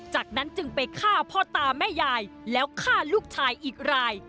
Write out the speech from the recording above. จากนั้นจึงไปฆ่าพ่อตาแม่ยายแล้วฆ่าลูกชายอีกราย